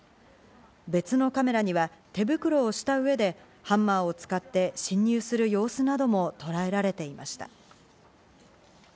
別のカメラには手袋をした上でハンマーを使って侵入する様子などもとらえられていました。